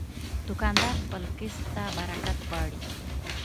دوکاندار خپل کسب ته برکت غواړي.